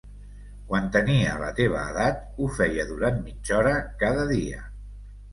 Quan tenia la teva edat, ho feia durant mitja hora cada dia.